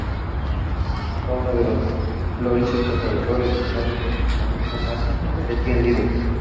Fue uno de los más prolíficos autores británicos, escribiendo más de cien libros.